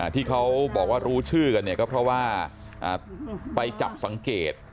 ที่เขาบอกว่ารู้ชื่อกันเนี่ยก็เพราะว่าไปจับสังเกต